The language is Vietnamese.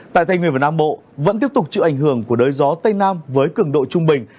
tại tây nguyên và nam bộ vẫn tiếp tục chịu ảnh hưởng của đới gió tây nam với cường độ trung bình